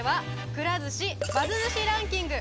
くら寿司バズ寿司ランキング